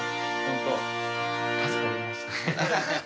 助かりました。